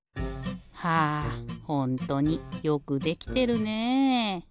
はあほんとによくできてるねえ。